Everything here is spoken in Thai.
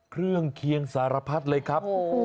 เครื่องเคียงสารพัดเลยครับ